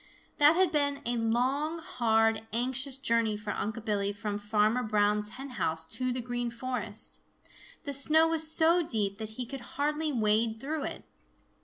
That had been a long, hard, anxious journey for Unc' Billy from Farmer Brown's hen house to the Green Forest. The snow was so deep that he could hardly wade through it.